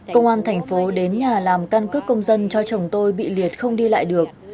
công an thành phố đến nhà làm căn cước công dân cho chồng tôi bị liệt không đi lại được